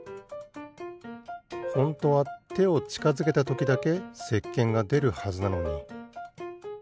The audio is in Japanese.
ホントはてをちかづけたときだけせっけんがでるはずなのに。